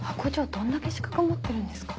どんだけ資格持ってるんですか？